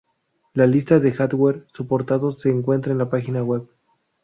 La lista de hardware soportado se encuentra en la página web.